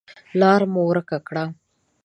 لار مو ورکه کړه .